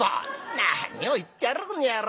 「何を言ってやるこの野郎！